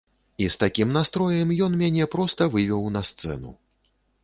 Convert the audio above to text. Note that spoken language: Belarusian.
І з такім настроем ён мяне проста вывеў на сцэну.